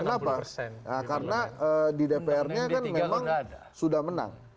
kenapa karena di dpr nya kan memang sudah menang